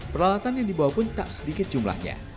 peralatan yang dibawa pun tak sedikit jumlahnya